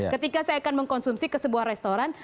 ketika saya akan mengkonsumsi ke sebuah restoran